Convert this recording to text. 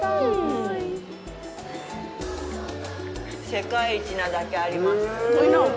世界一なだけあります。